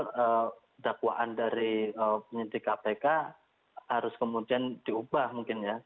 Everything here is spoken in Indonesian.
kalau dakwaan dari penyidik kpk harus kemudian diubah mungkin ya